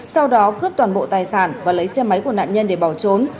sau đó cướp toàn bộ tài sản và lấy xe máy của nạn nhân để bỏ trốn